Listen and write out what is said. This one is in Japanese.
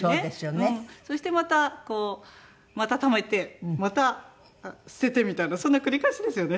そしてまたこうまたためてまた捨ててみたいなそんな繰り返しですよね。